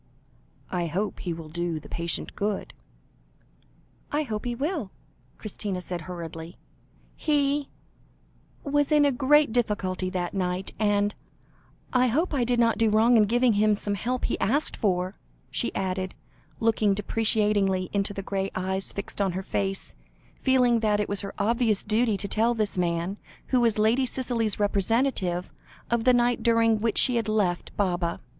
"I hope he will do the patient good." "I hope he will," Christina said hurriedly; "he was in a great difficulty that night, and I hope I did not do wrong in giving him some help he asked for?" she added, looking deprecatingly into the grey eyes fixed on her face, feeling that it was her obvious duty to tell this man, who was Lady Cicely's representative, of the night during which she had left Baba.